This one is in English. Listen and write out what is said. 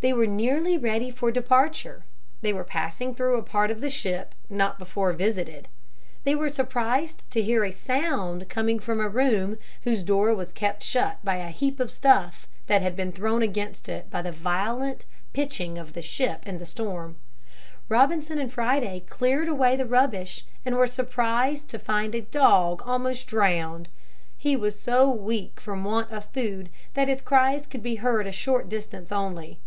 They were nearly ready for departure. They were passing through a part of the ship not before visited. They were surprised to hear a sound coming from a room whose door was kept shut by a heap of stuff that had been thrown against it by the violent pitching of the ship in the storm. Robinson and Friday cleared away the rubbish and were surprised to find a dog almost drowned. He was so weak from want of food that his cries could be heard a short distance only.